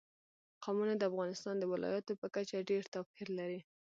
قومونه د افغانستان د ولایاتو په کچه ډېر توپیر لري.